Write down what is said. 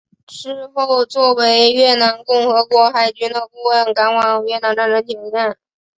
之后作为越南共和国海军的顾问赶往越南战争前线。